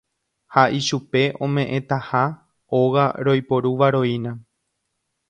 Ha ichupe ome'ẽtaha óga roiporuvaroína.